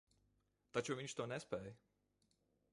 Taču viņš to nespēj.